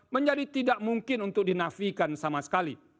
menjadi tidak mungkin untuk dinafikan sama sekali